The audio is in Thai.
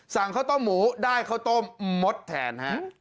สั่งข้าวต้มหมูได้ข้าวต้มมดแทนฮะ